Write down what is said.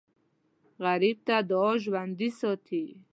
غریب ته دعا ژوندي ساتي